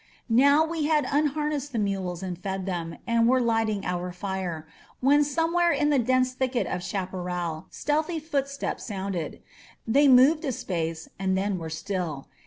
Now we had unharnessed the mules and fed them, and were lighting our fire, when somewhere in the dense thicket of chaparral stealthy footsteps sounded. They moved a space and then were still.